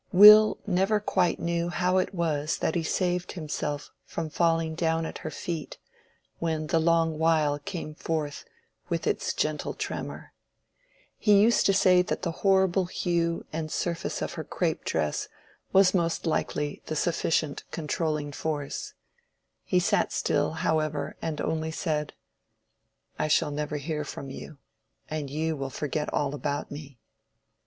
Will never quite knew how it was that he saved himself from falling down at her feet, when the "long while" came forth with its gentle tremor. He used to say that the horrible hue and surface of her crape dress was most likely the sufficient controlling force. He sat still, however, and only said— "I shall never hear from you. And you will forget all about me."